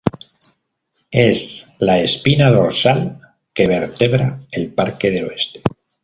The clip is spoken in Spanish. Es la espina dorsal que vertebra el parque del Oeste.